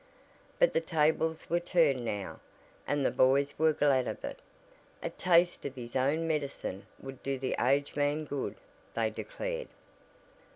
But the tables were turned now and the boys were glad of it. A taste of his own medicine would do the aged man good, they declared.